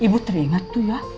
ibu teringat tuh ya